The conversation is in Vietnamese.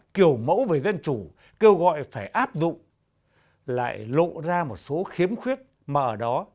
kiểu mẫu về dân chủ kêu gọi phải áp dụng lại lộ ra một số khiếm khuyết mà ở đó